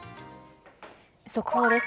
速報です。